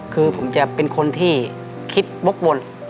คือผมจะเป็นคนที่คิดวกวน